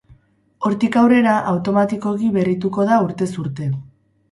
Hortik aurrera, automatikoki berrituko da, urtez urte.